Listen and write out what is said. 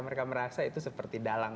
mereka merasa itu seperti dalang